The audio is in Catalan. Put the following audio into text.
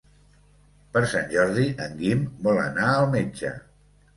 Per Sant Jordi en Guim vol anar al metge.